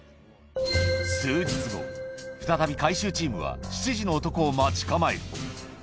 数日後、再び回収チームは７時の男を待ち構える。